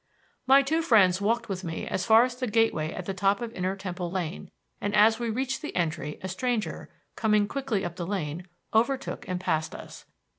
My two friends walked with me as far as the gateway at the top of Inner Temple Lane, and as we reached the entry a stranger, coming quickly up the Lane, overtook and passed us.